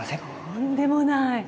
とんでもない！